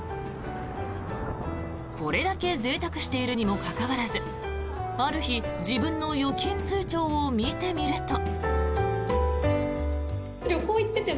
これだけぜいたくしているにもかかわらずある日自分の預金通帳を見てみると。